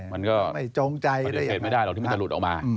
มันก็ประเด็นไม่ได้หรอกที่มันจะหลุดออกมา